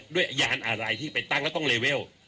ยานอะไรที่ไปตั้งแล้วต้องเลเวล